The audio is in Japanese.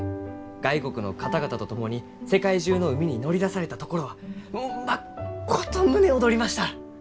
外国の方々と共に世界中の海に乗り出されたところはまっこと胸躍りました！